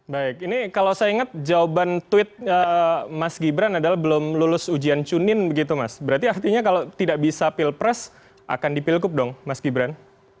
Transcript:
baik ini kalau saya ingat jawaban tweet mas gibran adalah belum lulus ujian cunin begitu mas berarti artinya kalau tidak bisa pilpres akan dipilkup dong mas gibran